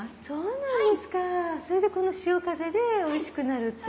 そうなんですかそれでこの潮風でおいしくなる。